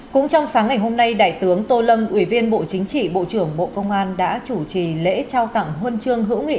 cũng trong sáng ngày hôm nay đại tướng tô lâm ủy viên bộ chính trị bộ trưởng bộ công an đã chủ trì lễ trao tặng huân chương hữu nghị